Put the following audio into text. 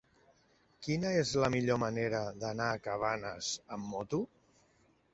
Quina és la millor manera d'anar a Cabanes amb moto?